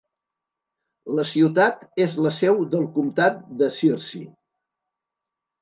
La ciutat és la seu del comtat de Searcy.